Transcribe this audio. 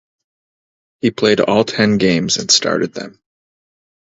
He played all ten games and started them.